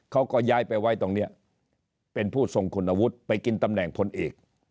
เขาก็ย้ายไปไว้ตรงนี้เป็นผู้ทรงคุณวุฒิไปกินตำแหน่งพลเอก